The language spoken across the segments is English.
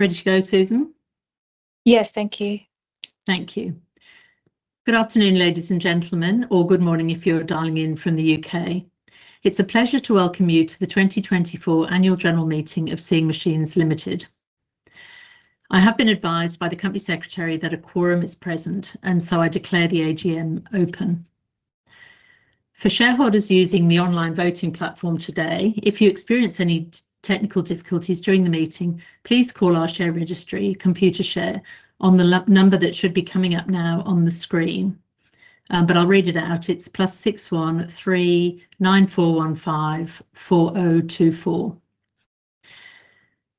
Ready to go, Susan? Yes, thank you. Thank you. Good afternoon, ladies and gentlemen, or good morning if you're dialing in from the U.K. It's a pleasure to welcome you to the 2024 Annual General Meeting of Seeing Machines Limited. I have been advised by the Company Secretary that a quorum is present, and so I declare the AGM open. For shareholders using the online voting platform today, if you experience any technical difficulties during the meeting, please call our share registry, Computershare, on the number that should be coming up now on the screen, but I'll read it out. It's +61 39415 4024.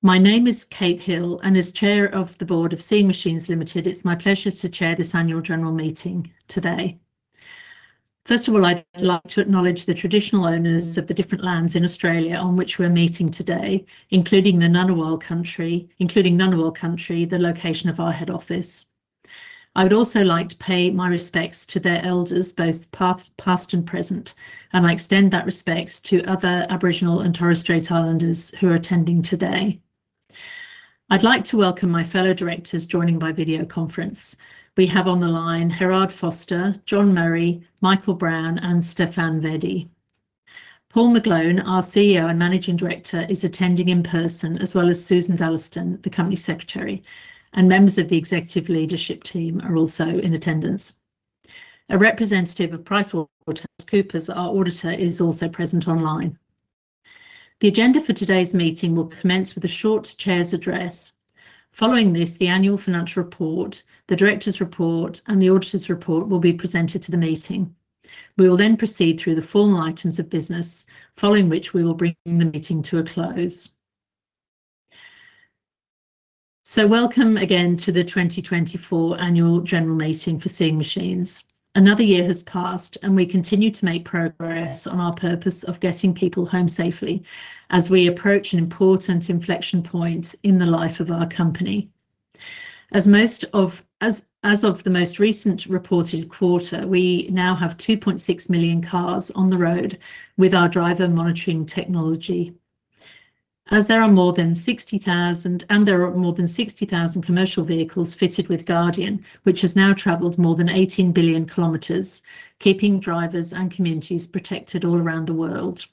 My name is Kate Hill, and as Chair of the Board of Seeing Machines Limited, it's my pleasure to chair this Annual General Meeting today. First of all, I'd like to acknowledge the traditional owners of the different lands in Australia on which we're meeting today, including the Ngunnawal Country, the location of our head office. I would also like to pay my respects to their elders, both past and present, and I extend that respect to other Aboriginal and Torres Strait Islanders who are attending today. I'd like to welcome my fellow directors joining by video conference. We have on the Gerhard Vorster, John Murray, Michael Brown, and Stéphane Vedie. Paul McGlone, our CEO and Managing Director, is attending in person, as well as Susan Dalliston, the Company Secretary, and members of the executive leadership team are also in attendance. A representative of PricewaterhouseCoopers, our auditor, is also present online. The agenda for today's meeting will commence with a short chair's address. Following this, the annual financial report, the director's report, and the auditor's report will be presented to the meeting. We will then proceed through the formal items of business, following which we will bring the meeting to a close. So welcome again to the 2024 Annual General Meeting for Seeing Machines. Another year has passed, and we continue to make progress on our purpose of getting people home safely as we approach an important inflection point in the life of our company. As of the most recent reported quarter, we now have 2.6 million cars on the road with our driver monitoring technology. There are more than 60,000 commercial vehicles fitted with Guardian, which has now traveled more than 18 billion kilometers, keeping drivers and communities protected all around the world.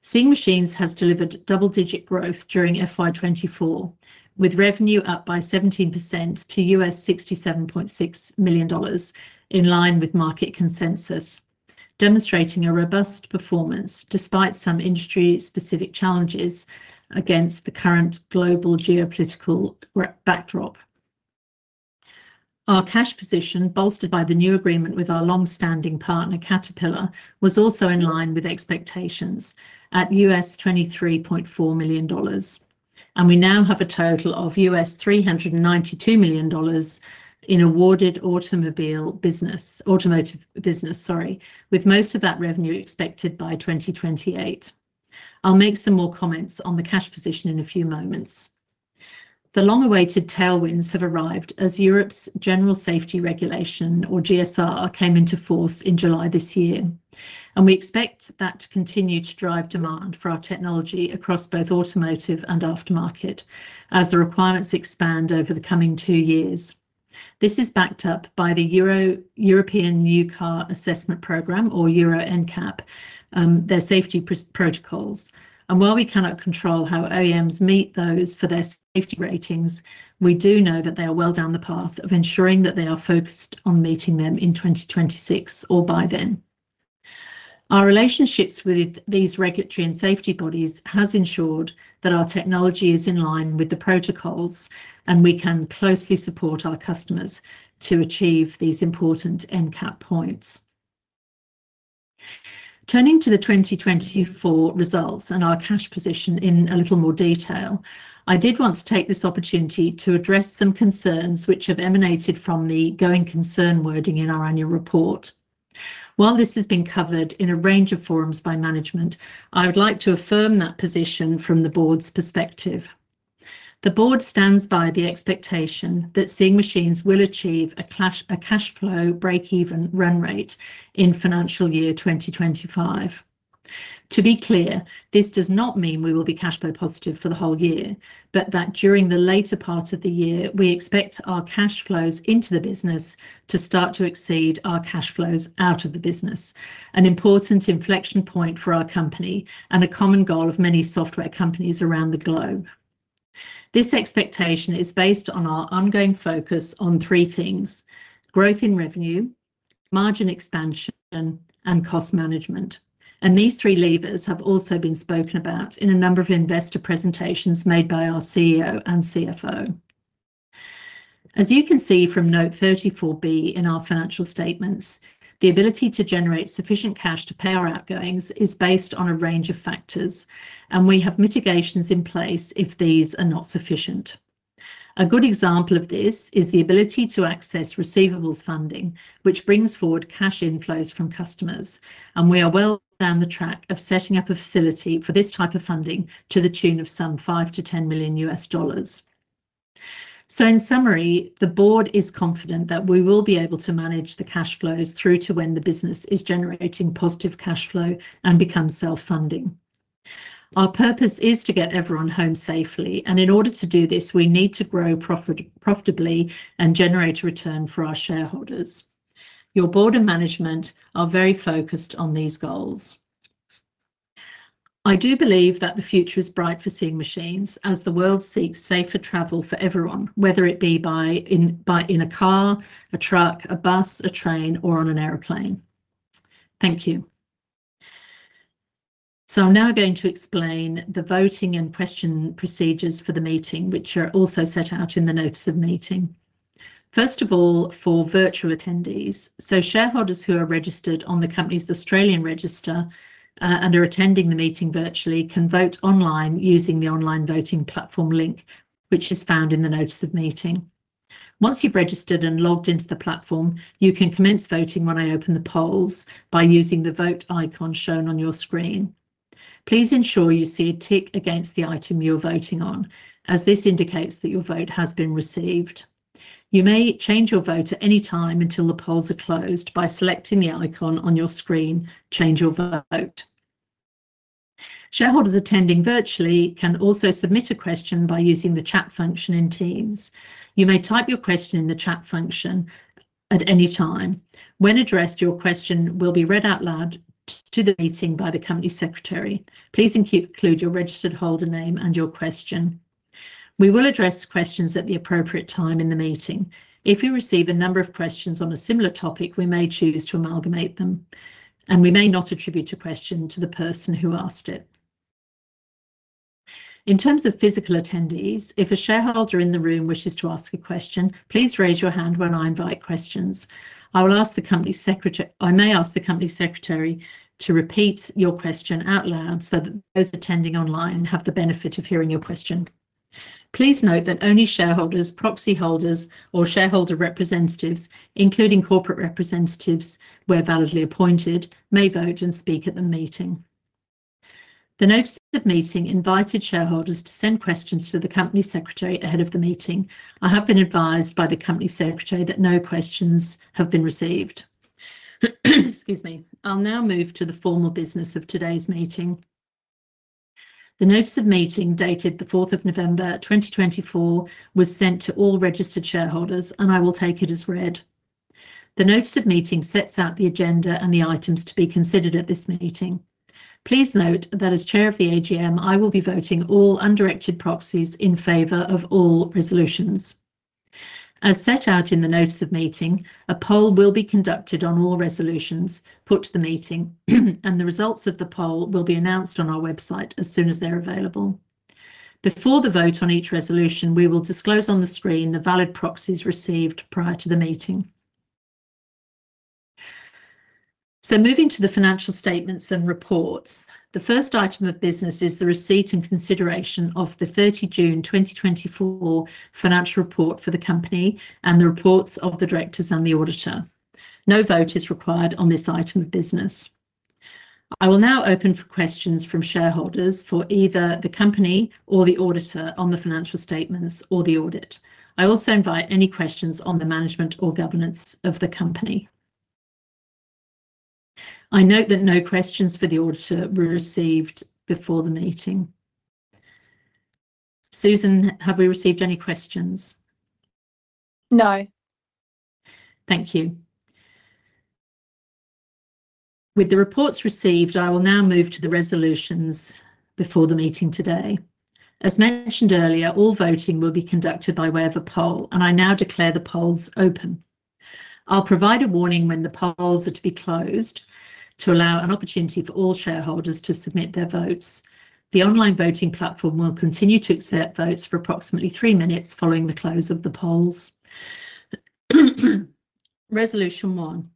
Seeing Machines has delivered double-digit growth during FY24, with revenue up by 17% to $67.6 million, in line with market consensus, demonstrating a robust performance despite some industry-specific challenges against the current global geopolitical backdrop. Our cash position, bolstered by the new agreement with our long-standing partner, Caterpillar, was also in line with expectations at $23.4 million, and we now have a total of $392 million in awarded automobile business, automotive business, sorry, with most of that revenue expected by 2028. I'll make some more comments on the cash position in a few moments. The long-awaited tailwinds have arrived as Europe's General Safety Regulation, or GSR, came into force in July this year, and we expect that to continue to drive demand for our technology across both automotive and aftermarket as the requirements expand over the coming two years. This is backed up by the European New Car Assessment Programme, or Euro NCAP, their safety protocols. While we cannot control how OEMs meet those for their safety ratings, we do know that they are well down the path of ensuring that they are focused on meeting them in 2026 or by then. Our relationships with these regulatory and safety bodies have ensured that our technology is in line with the protocols, and we can closely support our customers to achieve these important NCAP points. Turning to the 2024 results and our cash position in a little more detail, I did want to take this opportunity to address some concerns which have emanated from the going concern wording in our annual report. While this has been covered in a range of forums by management, I would like to affirm that position from the board's perspective. The board stands by the expectation that Seeing Machines will achieve a cash flow break-even run rate in financial year 2025. To be clear, this does not mean we will be cash flow positive for the whole year, but that during the later part of the year, we expect our cash flows into the business to start to exceed our cash flows out of the business, an important inflection point for our company and a common goal of many software companies around the globe. This expectation is based on our ongoing focus on three things: growth in revenue, margin expansion, and cost management, and these three levers have also been spoken about in a number of investor presentations made by our CEO and CFO. As you can see from note 34B in our financial statements, the ability to generate sufficient cash to pay our outgoings is based on a range of factors, and we have mitigations in place if these are not sufficient. A good example of this is the ability to access receivables funding, which brings forward cash inflows from customers, and we are well down the track of setting up a facility for this type of funding to the tune of some $5 million-$10 million. So in summary, the board is confident that we will be able to manage the cash flows through to when the business is generating positive cash flow and becomes self-funding. Our purpose is to get everyone home safely, and in order to do this, we need to grow profitably and generate a return for our shareholders. Your board and management are very focused on these goals. I do believe that the future is bright for Seeing Machines as the world seeks safer travel for everyone, whether it be by in a car, a truck, a bus, a train, or on an airplane. Thank you. So I'm now going to explain the voting and question procedures for the meeting, which are also set out in the notice of meeting. First of all, for virtual attendees, so shareholders who are registered on the company's Australian register and are attending the meeting virtually can vote online using the online voting platform link, which is found in the notice of meeting. Once you've registered and logged into the platform, you can commence voting when I open the polls by using the vote icon shown on your screen. Please ensure you see a tick against the item you're voting on, as this indicates that your vote has been received. You may change your vote at any time until the polls are closed by selecting the icon on your screen, Change Your Vote. Shareholders attending virtually can also submit a question by using the chat function in Teams. You may type your question in the chat function at any time. When addressed, your question will be read out loud to the meeting by the Company Secretary. Please include your registered holder name and your question. We will address questions at the appropriate time in the meeting. If you receive a number of questions on a similar topic, we may choose to amalgamate them, and we may not attribute a question to the person who asked it. In terms of physical attendees, if a shareholder in the room wishes to ask a question, please raise your hand when I invite questions. I will ask the Company Secretary to repeat your question out loud so that those attending online have the benefit of hearing your question. Please note that only shareholders, proxy holders, or shareholder representatives, including corporate representatives, where validly appointed, may vote and speak at the meeting. The notice of meeting invited shareholders to send questions to the Company Secretary ahead of the meeting. I have been advised by the Company Secretary that no questions have been received. Excuse me. I'll now move to the formal business of today's meeting. The notice of meeting dated 4 November 2024 was sent to all registered shareholders, and I will take it as read. The notice of meeting sets out the agenda and the items to be considered at this meeting. Please note that as Chair of the AGM, I will be voting all undirected proxies in favor of all resolutions. As set out in the notice of meeting, a poll will be conducted on all resolutions put to the meeting, and the results of the poll will be announced on our website as soon as they're available. Before the vote on each resolution, we will disclose on the screen the valid proxies received prior to the meeting. So moving to the financial statements and reports, the first item of business is the receipt and consideration of the 30 June 2024 financial report for the company and the reports of the directors and the auditor. No vote is required on this item of business. I will now open for questions from shareholders for either the company or the auditor on the financial statements or the audit. I also invite any questions on the management or governance of the company. I note that no questions for the auditor were received before the meeting. Susan, have we received any questions? No. Thank you. With the reports received, I will now move to the resolutions before the meeting today. As mentioned earlier, all voting will be conducted by way of a poll, and I now declare the polls open. I'll provide a warning when the polls are to be closed to allow an opportunity for all shareholders to submit their votes. The online voting platform will continue to accept votes for approximately three minutes following the close of the polls. Resolution one.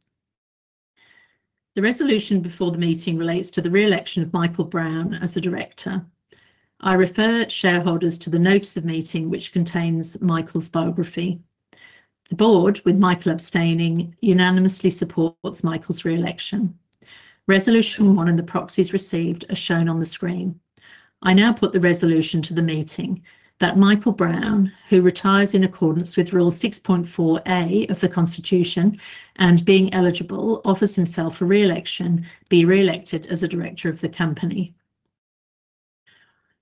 The resolution before the meeting relates to the re-election of Michael Brown as a director. I refer shareholders to the notice of meeting, which contains Michael's biography. The board, with Michael abstaining, unanimously supports Michael's re-election. Resolution one and the proxies received are shown on the screen. I now put the resolution to the meeting that Michael Brown, who retires in accordance with Rule 6.4A of the Constitution and, being eligible, offers himself for re-election, be re-elected as a director of the company.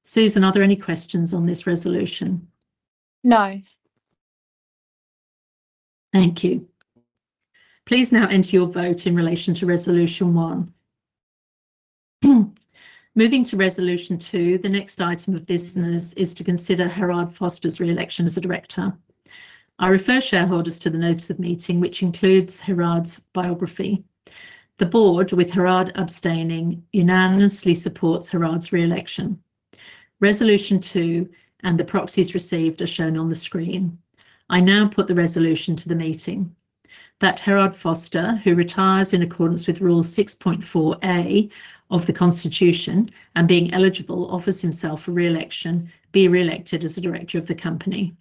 Susan, are there any questions on this resolution? No. Thank you. Please now enter your vote in relation to resolution one. Moving to resolution two, the next item of business is to consider Gerhard Vorster's re-election as a director. I refer shareholders to the notice of meeting, which includes Gerhard's biography. The board, with Gerhard abstaining, unanimously supports Gerhard's re-election. Resolution two and the proxies received are shown on the screen. I now put the resolution to the meeting that Gerhard Vorster, who retires in accordance with Rule 6.4A of the Constitution and being eligible, offers himself for re-election be re-elected as a director of the company.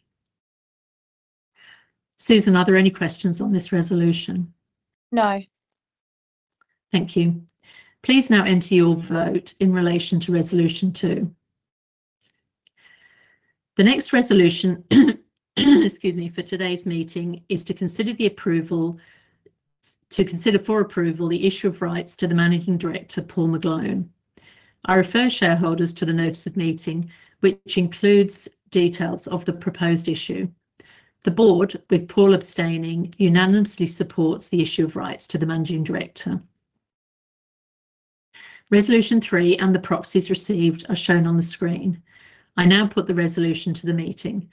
Susan, are there any questions on this resolution? No. Thank you. Please now enter your vote in relation to resolution two. The next resolution, excuse me, for today's meeting is to consider for approval the issue of rights to the Managing Director, Paul McGlone. I refer shareholders to the notice of meeting, which includes details of the proposed issue. The board, with Paul abstaining, unanimously supports the issue of rights to the Managing Director. Resolution three and the proxies received are shown on the screen. I now put the resolution to the meeting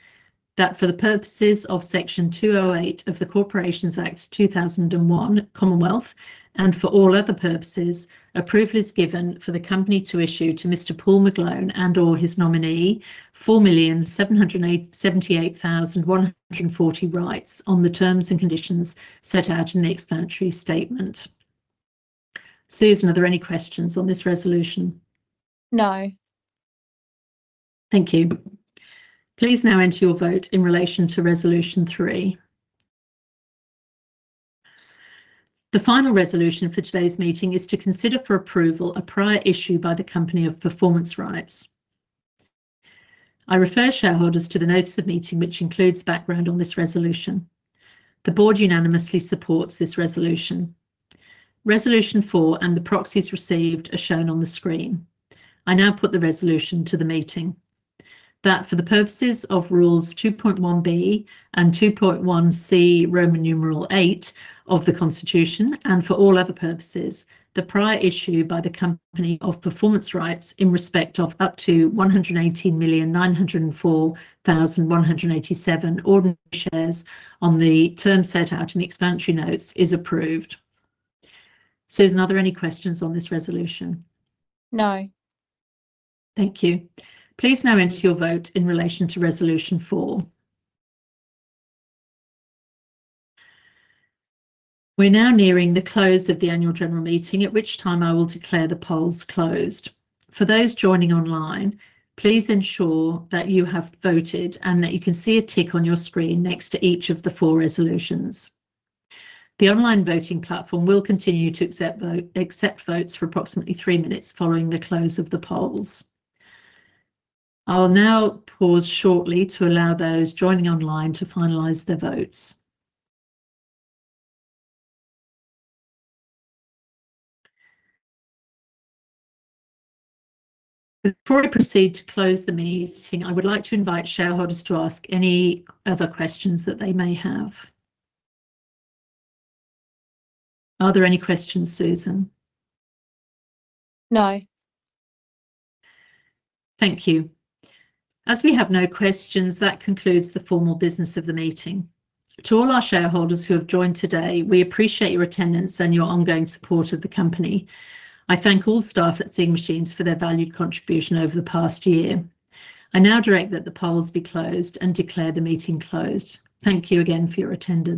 that for the purposes of Section 208 of the Corporations Act 2001, Commonwealth, and for all other purposes, approval is given for the company to issue to Mr. Paul McGlone and/or his nominee 4,778,140 rights on the terms and conditions set out in the explanatory statement. Susan, are there any questions on this resolution? No. Thank you. Please now enter your vote in relation to resolution three. The final resolution for today's meeting is to consider for approval a prior issue by the company of performance rights. I refer shareholders to the notice of meeting, which includes background on this resolution. The board unanimously supports this resolution. Resolution four and the proxies received are shown on the screen. I now put the resolution to the meeting that for the purposes of Rules 2.1B and 2.1C, Roman numeral eight, of the Constitution and for all other purposes, the prior issue by the company of performance rights in respect of up to 118,904,187 ordinary shares on the terms set out in explanatory notes is approved. Susan, are there any questions on this resolution? No. Thank you. Please now enter your vote in relation to resolution four. We're now nearing the close of the annual general meeting, at which time I will declare the polls closed. For those joining online, please ensure that you have voted and that you can see a tick on your screen next to each of the four resolutions. The online voting platform will continue to accept votes for approximately three minutes following the close of the polls. I'll now pause shortly to allow those joining online to finalize their votes. Before I proceed to close the meeting, I would like to invite shareholders to ask any other questions that they may have. Are there any questions, Susan? No. Thank you. As we have no questions, that concludes the formal business of the meeting. To all our shareholders who have joined today, we appreciate your attendance and your ongoing support of the company. I thank all staff at Seeing Machines for their valued contribution over the past year. I now direct that the polls be closed and declare the meeting closed. Thank you again for your attendance.